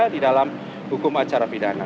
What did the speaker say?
di dalam hukum acara pidana